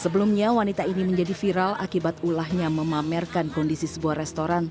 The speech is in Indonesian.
sebelumnya wanita ini menjadi viral akibat ulahnya memamerkan kondisi sebuah restoran